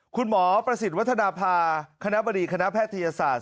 คุณหมอประสิทธิ์วัฒนภาคณะบดีคณะแพทยศาสตร์